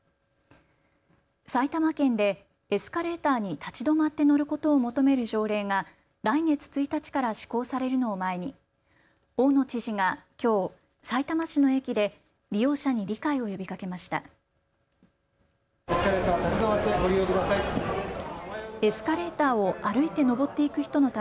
埼玉県でエスカレーターに立ちどまって乗ることを求める条例が来月１日から施行されるのを前に大野知事がきょう、さいたま市の駅で利用者に理解を呼びかけました。